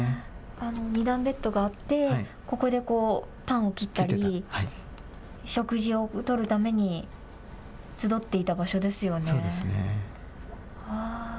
２段ベットがあってここでパンを切ったり食事をとるために集っていた場所ですよね。